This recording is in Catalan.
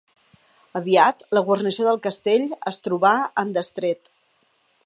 Aviat la guarnició del castell es trobà en destret.